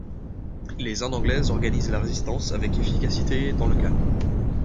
Les Indes anglaises organisent la résistance avec efficacité dans le calme.